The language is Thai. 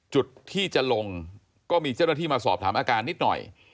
จุดที่จะลงก็มีเจ้าหน้าที่มาสอบถามอาการนิดหน่อย